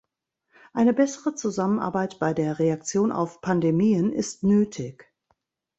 Eine bessere Zusammenarbeit bei der Reaktion auf Pandemien ist nötig.